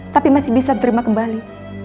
tapi masih bisa diterima kembali